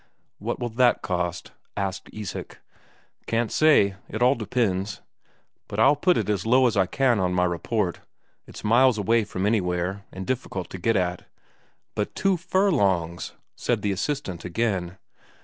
"What will that cost?" asked Isak. "Can't say. It all depends. But I'll put it as low as I can on my report; it's miles away from anywhere, and difficult to get at." "But two furlongs!" said the assistant again.